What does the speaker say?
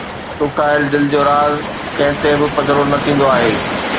ڏکايل دل جو راز ڪنهن تي به پڌرو نه ٿيندو آهي